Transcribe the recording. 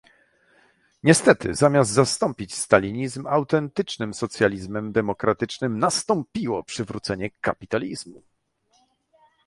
Niestety zamiast zastąpić stalinizm autentycznym socjalizmem demokratycznym, nastąpiło przywrócenie kapitalizmu